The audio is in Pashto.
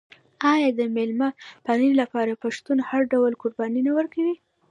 آیا د میلمه پالنې لپاره پښتون هر ډول قرباني نه ورکوي؟